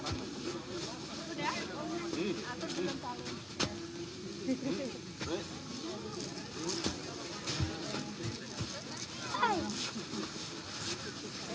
ada yang mau di sini